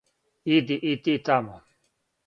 Иди и ти тамо.